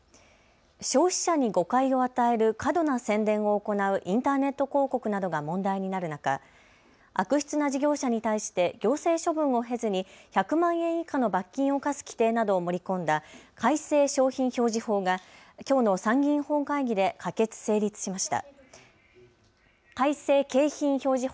消費者に誤解を与える過度な宣伝を行うインターネット広告などが問題になる中、悪質な事業者に対して行政処分を経ずに１００万円以下の罰金を科す規定などを盛り込んだ改正景品表示法がきょうの参議院本会議で可決・成立しました。